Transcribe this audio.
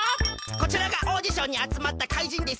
こちらがオーディションにあつまった怪人です。